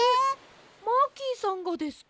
マーキーさんがですか？